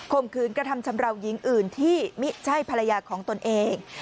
มขืนกระทำชำราวหญิงอื่นที่ไม่ใช่ภรรยาของตนเอง